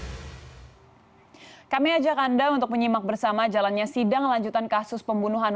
hai kami ajak anda untuk menyimak bersama jalannya sidang lanjutan kasus pembunuhan